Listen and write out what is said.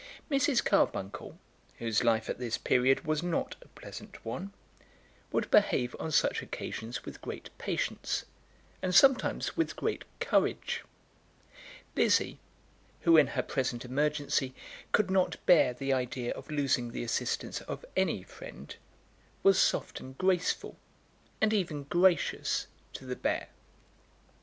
Mrs. Carbuncle, whose life at this period was not a pleasant one, would behave on such occasions with great patience, and sometimes with great courage. Lizzie, who in her present emergency could not bear the idea of losing the assistance of any friend, was soft and graceful, and even gracious, to the bear.